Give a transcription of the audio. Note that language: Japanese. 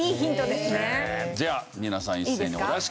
じゃあ皆さん一斉にお出しください。